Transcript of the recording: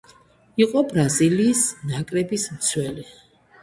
იყო ბრაზილიის ნაკრების მცველი.